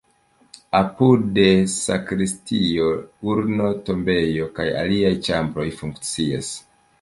Apude sakristio, urno-tombejo kaj aliaj ĉambroj funkcias.